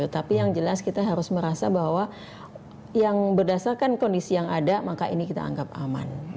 tapi yang jelas kita harus merasa bahwa yang berdasarkan kondisi yang ada maka ini kita anggap aman